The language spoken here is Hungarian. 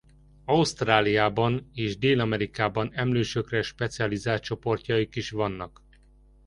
Ausztráliában és Dél-Amerikában emlősökre specializált csoportjaik is vannak.